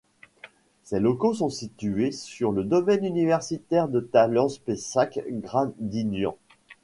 Ses locaux sont situés sur le domaine universitaire de Talence Pessac Gradignan.